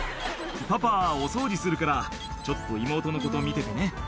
「パパはお掃除するからちょっと妹のこと見ててね」